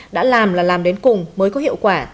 đã làm là làm đến cùng mới có hiệu quả